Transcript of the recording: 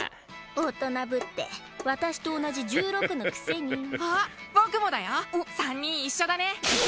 大人ぶって私と同じ１６のくせにあっ僕もだよ３人一緒だね